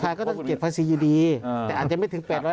ถ้ายังไงก็ต้องเก็บภาษีอยู่ดีแต่อาจจะไม่ถึง๘๐๐ล้านก็ได้